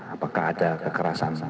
apakah ada kekerasan